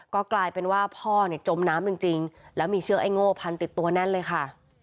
ก็กลายเป็นว่าพ่อเนี่ยจมน้ำจริงแล้วมีเชือกไอ้โง่พันติดตัวแน่นเลยค่ะ